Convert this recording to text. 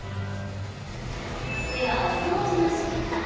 ではお掃除のしかた。